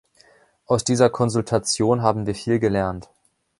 Aus dieser Konsultation haben wir viel gelernt.